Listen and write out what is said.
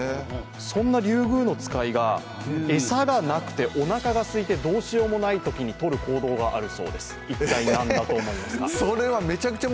そんなリュウグウノツカイが餌がなくておなかがすいてどうしようもないときに、とる行動があるそうです。